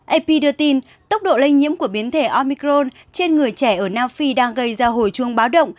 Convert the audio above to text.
ap đưa tin tốc độ lây nhiễm của biến thể omicron trên người trẻ ở nam phi đang gây ra hồi chuông báo động